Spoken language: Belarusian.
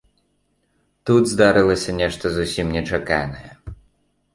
Тут здарылася нешта зусім нечаканае.